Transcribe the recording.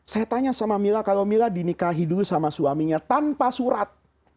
saya tanya sama mila kalau mila dinikahi dulu sama suaminya tanpa surat